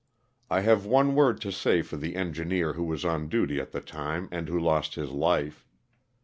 I have one word to say for the engineer who was on duty at the time and who lost his life.